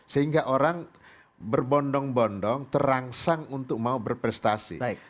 sehingga orang berbondong bondong terangsang untuk mau berprestasi